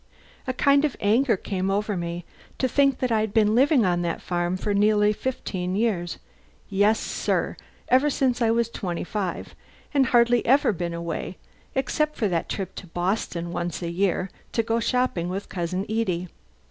A kind of anger came over me to think that I'd been living on that farm for nearly fifteen years yes, sir, ever since I was twenty five and hardly ever been away except for that trip to Boston once a year to go shopping with cousin Edie.